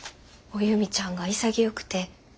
おゆみちゃんが潔くて。